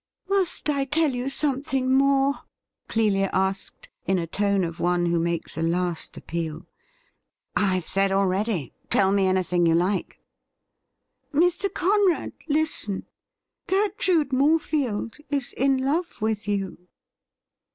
' Must I tell you something more .?' Clelia asked, in a tone of one who makes a last appeal. ' I've said already — tell me anything you like.' ' Mr. Conrad, listen : Gertrude Morefield is in love with you.'